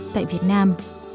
tại việt nam